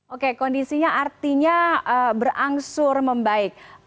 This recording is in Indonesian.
oke kondisinya artinya berangsur membaik